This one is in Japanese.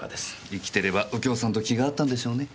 生きてれば右京さんと気が合ったんでしょうね。